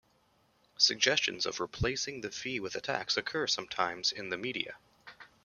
Suggestions of replacing the fee with a tax occur sometimes in the media.